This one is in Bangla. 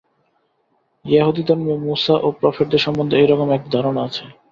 য়াহুদীধর্মেও মুশা ও প্রফেটদের সম্বন্ধে এই রকম এক ধারণা আছে।